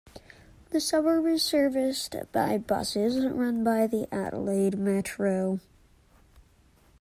The suburb is serviced by buses run by the Adelaide Metro.